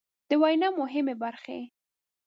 د وينا مهمې برخې